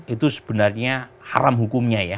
itu sebenarnya haram hukumnya ya